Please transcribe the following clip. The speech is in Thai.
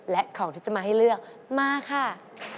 และของที่จะมาให้เลือกมาค่ะ